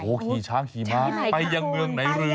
โอ้โหขี่ช้างขี่ม้าไปยังเมืองไหนเรือ